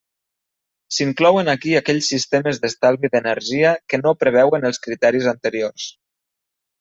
S'inclouen aquí aquells sistemes d'estalvi d'energia que no preveuen els criteris anteriors.